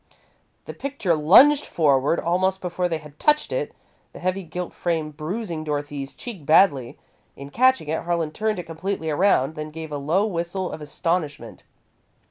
The picture lunged forward, almost before they had touched it, the heavy gilt frame bruising Dorothy's cheek badly. In catching it, Harlan turned it completely around, then gave a low whistle of astonishment.